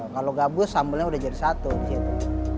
kalau gabus sambelnya udah jadi satu gitu